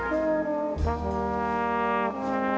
โปรดติดตามต่อไป